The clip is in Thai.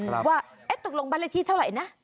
ดูว่าตกลงบรรลักษณ์ที่เท่าไหร่นะ